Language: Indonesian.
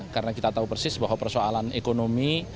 karena kita tahu persis bahwa persoalan ekonomi